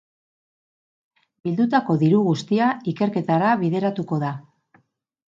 Bildutako diru guztia ikerketara bideratuko da.